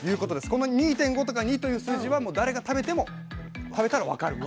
この２．５とか２という数字はもう誰が食べても分かる。